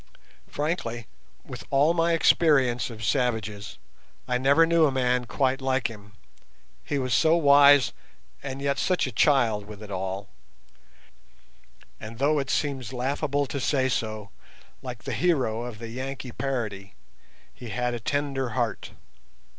Frankly, with all my experience of savages, I never knew a man quite like him, he was so wise and yet such a child with it all; and though it seems laughable to say so, like the hero of the Yankee parody, he "had a tender heart".